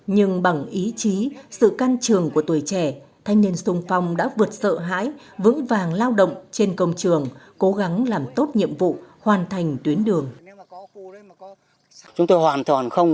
nhưng bằng ý chí sự căn trường của tuổi trẻ thanh niên sung phong đã vượt sợ hãi vững vàng lao động trên công trường cố gắng làm tốt nhiệm vụ hoàn thành tuyến đường